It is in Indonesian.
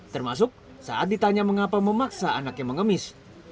termasuk saat ditanya mengapa memaksa anaknya mengemis